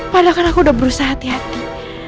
padahal kan aku udah berusaha hati hati